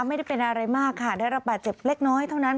ไม่ได้เป็นอะไรมากค่ะได้รับบาดเจ็บเล็กน้อยเท่านั้น